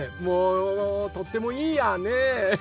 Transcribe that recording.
もうとってもいいやね。